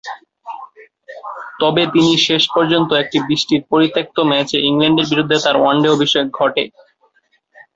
তবে তিনি শেষ পর্যন্ত একটি বৃষ্টির পরিত্যক্ত ম্যাচে ইংল্যান্ডের বিরুদ্ধে তার ওয়ানডে অভিষেক ঘটে।